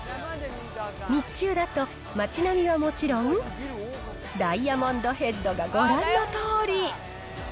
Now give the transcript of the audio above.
日中だと街並みはもちろん、ダイヤモンドヘッドがご覧のとおり。